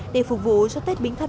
để phục vụ cho tết bính thân